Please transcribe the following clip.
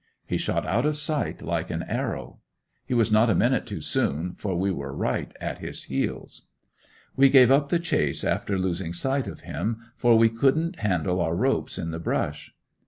He shot out of sight like an arrow. He was not a minute too soon, for we were right at his heels. We gave up the chase after losing sight of him, for we couldn't handle our ropes in the "brush."